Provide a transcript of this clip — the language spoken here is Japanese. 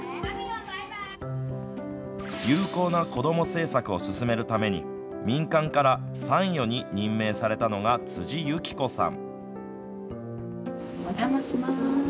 有効な子ども政策を進めるために民間から参与に任命されたのが辻由起子さん。